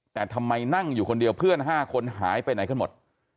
แต่ทำไมนั่งอยู่คนเดียวเพื่อน๕คนหายไปไหนกันหมด